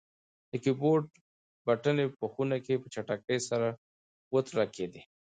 د کیبورډ بټنې په خونه کې په چټکۍ سره وتړکېدې.